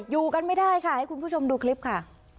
อยู่กันไม่ได้ค่ะให้คุณผู้ชมดูคลิปค่ะ